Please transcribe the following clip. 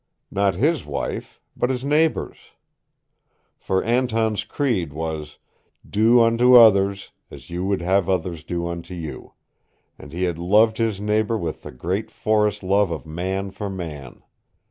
Not HIS wife, but his neighbor's! For Anton's creed was, "Do unto others as you would have others do unto you," and he had loved his neighbor with the great forest love of man for man.